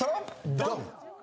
ドン！